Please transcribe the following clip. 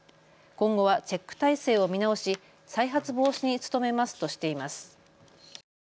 今後はチェック体制を見直し再発防止に努めますとしています。